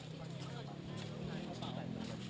ลองจะลองก่อมาที่นี่